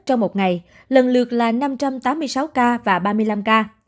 trong một ngày lần lượt là năm trăm tám mươi sáu ca và ba mươi năm ca